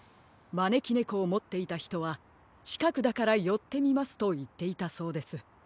まねきねこをもっていたひとはちかくだからよってみますといっていたそうです。